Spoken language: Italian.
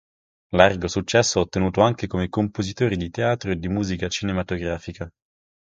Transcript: Largo successo ha ottenuto anche come compositore di teatro e di musica cinematografica.